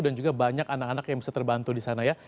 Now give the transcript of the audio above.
dan juga banyak anak anak yang bisa terbantu di sana ya